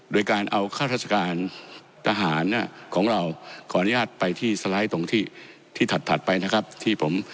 โดยการเอาข้าราชการทหารของเราขออนุญาตไปที่สไลด์ตรงที่ที่ถัดไปนะครับที่ผม